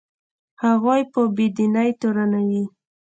هغوی په بې دینۍ تورنوي.